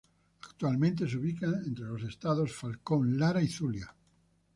Actualmente se ubica entre los estados Falcón, Lara y Zulia.